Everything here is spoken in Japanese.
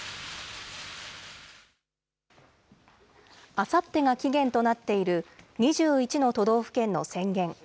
あさってが期限となっている２１の都道府県の宣言。